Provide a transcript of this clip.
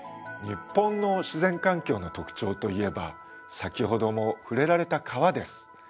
日本の自然環境の特徴といえば先ほども触れられた川です。